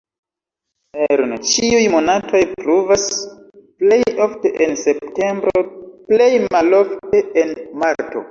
Rn ĉiuj monatoj pluvas, plej ofte en septembro, plej malofte en marto.